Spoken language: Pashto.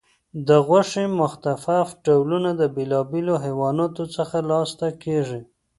د غوښې مختلف ډولونه د بیلابیلو حیواناتو څخه ترلاسه کېږي.